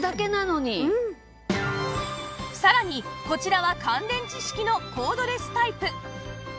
さらにこちらは乾電池式のコードレスタイプ